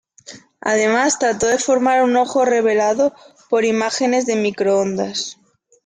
Además, trató de formar un ojo revelado por imágenes de microondas.